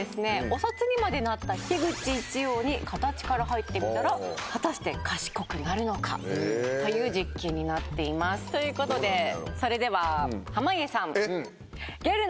お札にまでなった樋口一葉に形から入ってみたら果たして賢くなるのか？という実験になっていますということでそれでは濱家さんえっ？